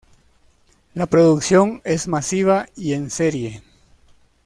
La producción es masiva y en serie.